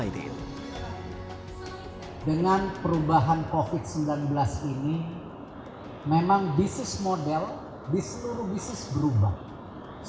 dengan perubahan covid sembilan belas ini memang bisnis model di seluruh bisnis berubah